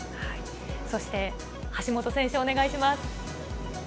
そして、橋本選手、お願いします。